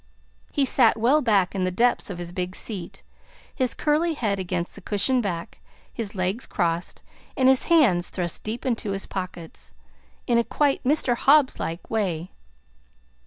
He sat well back in the depths of his big seat, his curly head against the cushioned back, his legs crossed, and his hands thrust deep into his pockets, in a quite Mr. Hobbs like way.